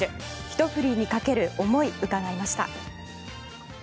ひと振りにかける思い伺いました。